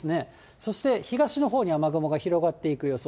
そして、東のほうに雨雲が広がっていく予想。